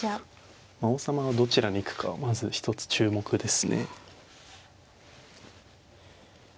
まあ王様がどちらに行くかまず一つ注目ですね。